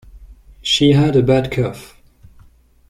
She had a bad cough.